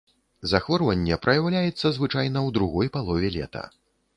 Захворванне праяўляецца звычайна ў другой палове лета.